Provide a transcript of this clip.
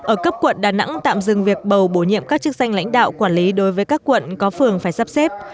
ở cấp quận đà nẵng tạm dừng việc bầu bổ nhiệm các chức danh lãnh đạo quản lý đối với các quận có phường phải sắp xếp